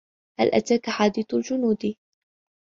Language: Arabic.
هَل أَتاكَ حَديثُ الجُنودِ